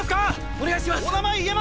お願いします。